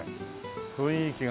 雰囲気が。